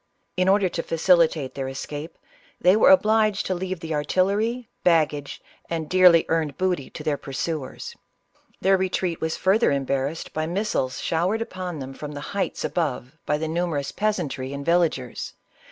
In order to facilitate their escape, they were obliged to leave the artillery, baggage, and dearly earn ISABELLA OF CASTILK. 91 ed booty to their pursuers. Their retreat was further embarrassed by missiles showered upon them from the heights above by the numerous peasantry and villa gers.